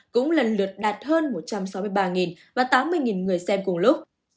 cũng lần lượt đạt hơn một trăm sáu mươi ba và tám mươi người xem cùng lúc